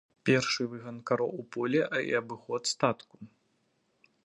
Першы выган кароў у поле і абыход статку.